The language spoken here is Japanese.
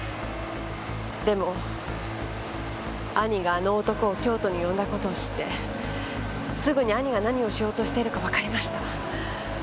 でも兄があの男を京都に呼んだことを知ってすぐに兄が何をしようとしているかわかりました。